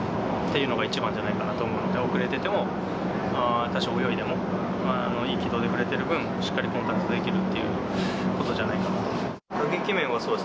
いい軌道で振れてるなというのが一番じゃないかなと思うので、遅れてても、多少泳いでも、いい軌道で振れてる分、しっかりコンタクトできるっていうことじゃないかなと思います。